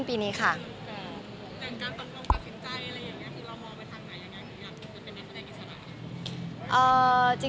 จะเป็นแบบการต่อกิจฤาศาล